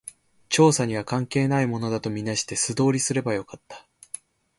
調査には関係ないものだと見なして、素通りすればよかった